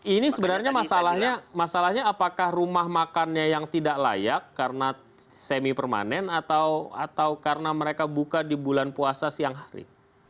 ini sebenarnya masalahnya apakah rumah makannya yang tidak layak karena semi permanen atau karena mereka buka di bulan puasa siang hari